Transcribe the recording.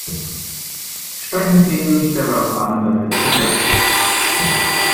Sprechen Sie ihn nicht darauf an, dass er zittert.